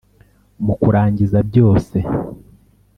mu kurangiza byose,